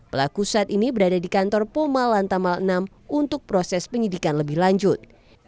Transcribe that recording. pelaku saat ini berada di kantor poma lantamal enam untuk proses penyidikan lebih lanjut